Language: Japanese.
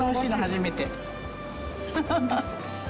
ハハハ。